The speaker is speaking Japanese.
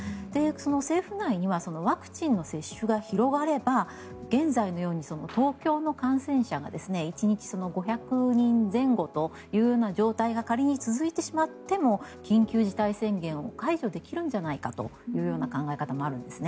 政府内にはワクチンの接種が広がれば現在のように東京の感染者が１日５００人前後という状態が仮に続いてしまっても緊急事態宣言を解除できるんじゃないかというような考え方もあるんですね。